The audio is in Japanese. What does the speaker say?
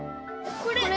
・これ！